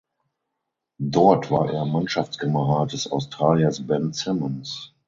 Dort war er Mannschaftskamerad des Australiers Ben Simmons.